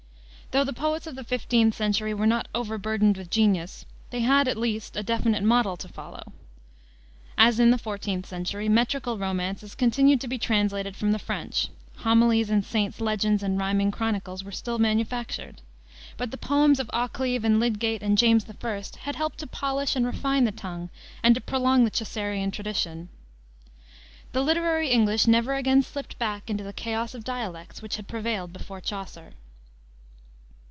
Though the poets of the 15th century were not overburdened with genius, they had, at least, a definite model to follow. As in the 14th century, metrical romances continued to be translated from the French, homilies and saints' legends and rhyming chronicles were still manufactured. But the poems of Occleve and Lydgate and James I. had helped to polish and refine the tongue and to prolong the Chaucerian tradition. The literary English never again slipped back into the chaos of dialects which had prevailed before Chaucer.